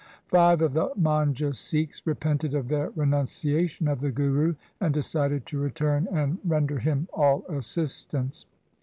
Five of the Man j ha Sikhs repented of their re nunciation of the Guru, and decided to return and render him all assistance.